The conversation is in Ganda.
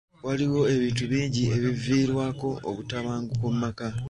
Waliwo ebintu bingi ebiviirako obutabanguko mu maka.